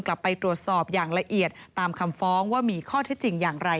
กลับไปตรวจสอบอย่างละเอียดตามคำฟ้องว่ามีข้อเท็จจริงอย่างไร